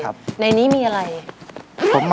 เห็นตอนอินโทรขึ้นพี่มีจับหน้าอกทุกครั้งเลย